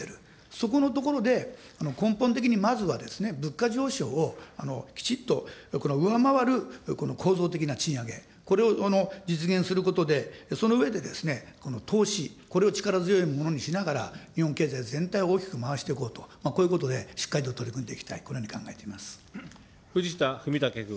そこのところで根本的にまずはですね、物価上昇をきちっと上回るこの構造的な賃上げ、これを実現することで、その上でですね、投資、これを力強いものにしながら、日本経済全体を大きく回していこうと、こういうことで、しっかりと取り組んでいきたい、このよう藤田文武君。